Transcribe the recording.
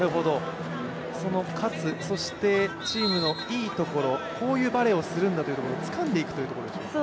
その勝つ、そしてチームのいいところ、こういうバレーをするんだということをつかんでいくということでしょうか。